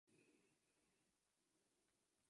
Puede ser una cultura indoeuropea.